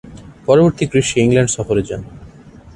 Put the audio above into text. পরবর্তী গ্রীষ্মে ইংল্যান্ড সফরে যান।